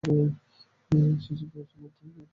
সেজন্য আজ মদ গেলার সমস্ত খরচ আমরা বহন করবো!